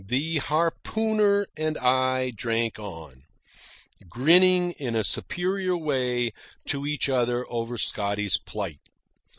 The harpooner and I drank on, grinning in a superior way to each other over Scotty's plight.